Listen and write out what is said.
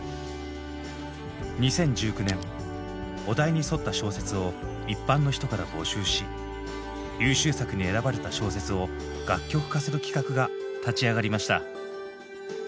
２０１９年お題に沿った小説を一般の人から募集し優秀作に選ばれた小説を楽曲化する企画が立ち上がりました。